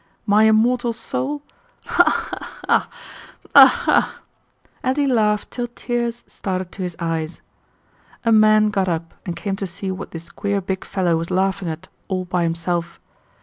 My immortal soul? Ha ha ha! Ha ha ha!..." and he laughed till tears started to his eyes. A man got up and came to see what this queer big fellow was laughing at all by himself.